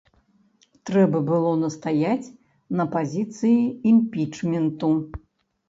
Трэба было настаяць на пазіцыі імпічменту.